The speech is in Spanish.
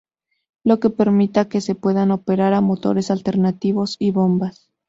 Lo que permita que se puedan operar a motores alternativos y bombas.